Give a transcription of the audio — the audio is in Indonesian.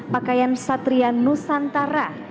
pakaian satria nusantara